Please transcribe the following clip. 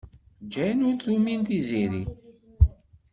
Jane ur tumin Tiziri.